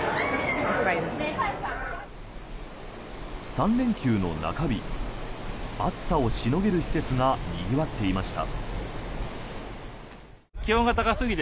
３連休の中日暑さをしのげる施設がにぎわっていました。